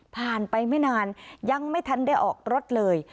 ผ่านไปไม่นานยังไม่ทันได้ออกรถเลย